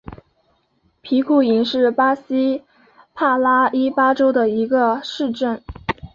皮库伊是巴西帕拉伊巴州的一个市镇。